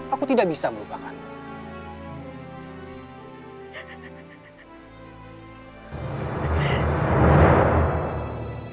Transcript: aku tidak bisa melupakanmu